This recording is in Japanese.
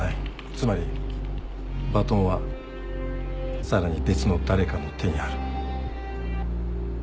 つまりバトンはさらに別の誰かの手にある。